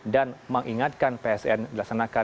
dan mengingatkan psn dilaksanakan